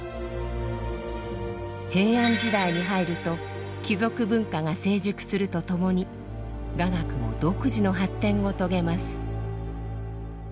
平安時代に入ると貴族文化が成熟するとともに雅楽も独自の発展を遂げます。